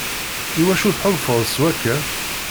Iwacu tḥulfaḍ s wakken?